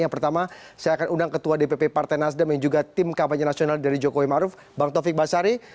yang pertama saya akan undang ketua dpp partai nasdem yang juga tim kampanye nasional dari jokowi maruf bang taufik basari